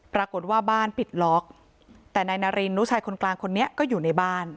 ปรากฏว่าบ้านปิดล็อกแต่นายนารินลูกชายคนกลางคนนี้ก็อยู่ในบ้าน